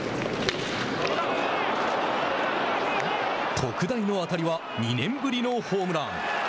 特大の当たりは２年ぶりのホームラン。